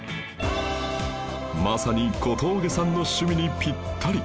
まさに小峠さんの趣味にぴったり